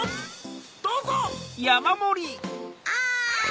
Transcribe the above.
どうぞ！